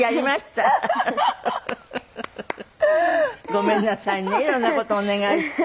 ごめんなさいね色んな事お願いして。